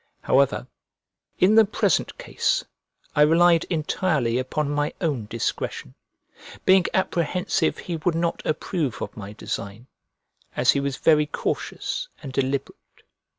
However, in the present case, I relied entirely upon my own discretion, being apprehensive he would not approve of my design, as he was very cautious and deliberate.